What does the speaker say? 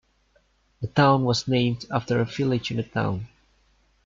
The town was named after a village in the town.